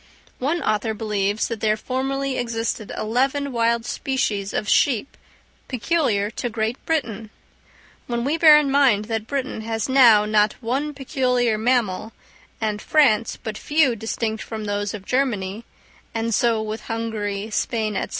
One author believes that there formerly existed eleven wild species of sheep peculiar to Great Britain! When we bear in mind that Britain has now not one peculiar mammal, and France but few distinct from those of Germany, and so with Hungary, Spain, &c.